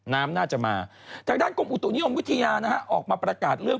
น้ำน่าจะมาทางด้านกรมอุตุนิยมวิทยานะฮะออกมาประกาศเรื่อง